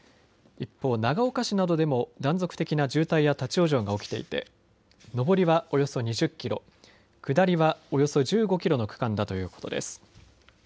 一方、長岡市などでも断続的な渋滞や立往生が起きていて上りはおよそ２０キロ、下りはおよそ１５キロの区間だということです。